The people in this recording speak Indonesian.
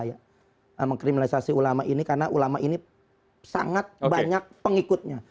karena ini berbahaya mengkriminalisasi ulama ini karena ulama ini sangat banyak pengikutnya